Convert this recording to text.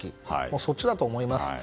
そっちだと思います。